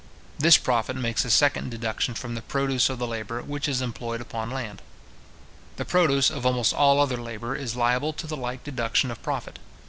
This profit makes a second deduction from the produce of the labour which is employed upon land. The produce of almost all other labour is liable to the like deduction of profit.